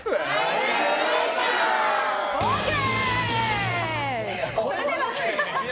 ＯＫ！